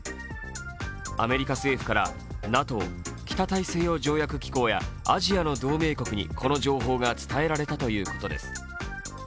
アメリカ政府からＮＡＴＯ＝北大西洋条約機構やアジアの同盟国にこの情報が伝えられたということです。